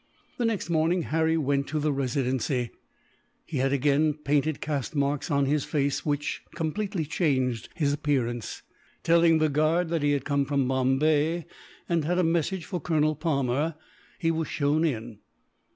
The next morning Harry went to the Residency. He had again painted caste marks on his face, which completely changed his appearance. Telling the guard that he had come from Bombay, and had a message for Colonel Palmer, he was shown in.